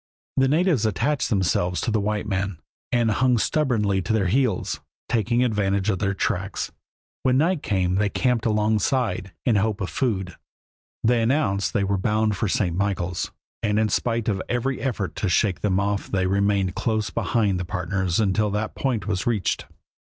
The natives attached themselves to the white men and hung stubbornly to their heels, taking advantage of their tracks. When night came they camped alongside, in the hope of food. They announced that they were bound for St. Michaels, and in spite of every effort to shake them off they remained close behind the partners until that point was reached.